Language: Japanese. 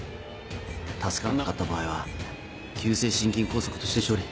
助からなかった場合は急性心筋梗塞として処理。